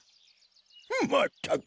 まったく！